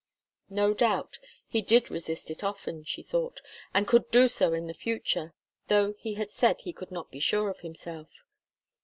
No doubt, he did resist it often, she thought, and could do so in the future, though he said that he could not be sure of himself.